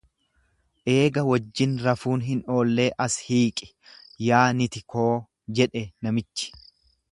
Eega wajjin rafuun hin oollee as hiiqi yaa niti koo jedhe namichi.